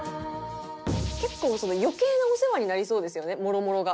結構余計なお世話になりそうですよねもろもろが。